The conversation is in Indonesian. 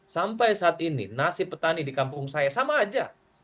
sampai saat ini nasib petani di kampung saya sama aja